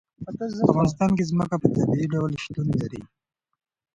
په افغانستان کې ځمکه په طبیعي ډول شتون لري.